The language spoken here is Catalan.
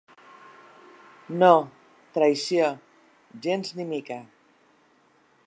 No, traïció, gens ni mica.